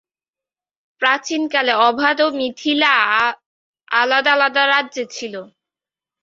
প্রাচীনকালে অবাধ ও মিথিলা আলাদা-আলাদা রাজ্য ছিলো।